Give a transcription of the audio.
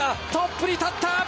トップに立った！